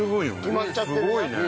決まっちゃってるね。